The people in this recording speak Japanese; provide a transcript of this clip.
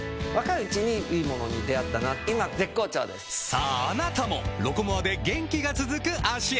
さぁあなたも「ロコモア」で元気が続く脚へ！